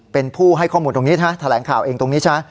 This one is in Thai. เป็นผู้ให้ข้อมูลตรงนี้นะแถลงข่าวเองตรงนี้ซะ